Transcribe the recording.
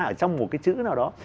ở trong một cái chữ nào đó